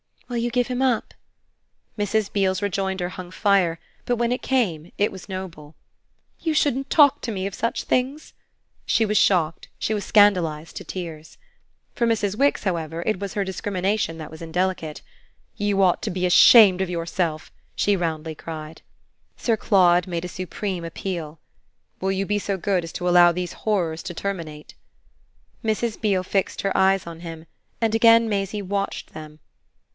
"Will you give him up?" Mrs. Beale's rejoinder hung fire, but when it came it was noble. "You shouldn't talk to me of such things!" She was shocked, she was scandalised to tears. For Mrs. Wix, however, it was her discrimination that was indelicate. "You ought to be ashamed of yourself!" she roundly cried. Sir Claude made a supreme appeal. "Will you be so good as to allow these horrors to terminate?" Mrs. Beale fixed her eyes on him, and again Maisie watched them.